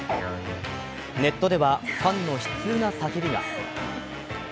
ネットではファンの悲痛な叫びが。